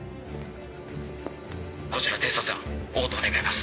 こちら偵察班応答願います。